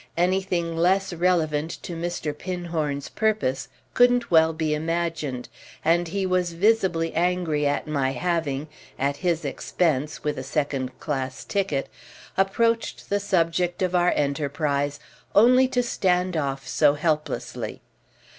Anything less relevant to Mr. Pinhorn's purpose couldn't well be imagined, and he was visibly angry at my having (at his expense, with a second class ticket) approached the subject of our enterprise only to stand off so helplessly.